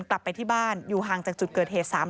กลับไปที่บ้านอยู่ห่างจากจุดเกิดเหตุ